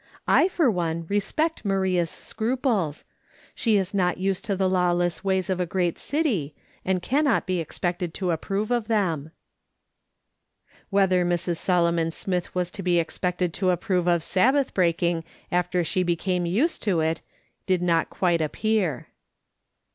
I, for one, respect Maria's scruples. She is not used to the law less ways of a great cit}', and cannot be expected to approve of them." Whether Mrs. Solomon Smith was to be expected to approve of Sabbath breaking after she became used to it, did not quite appear.